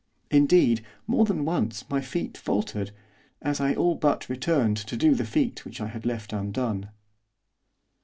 Indeed, more than once my feet faltered, as I all but returned to do the feat which I had left undone.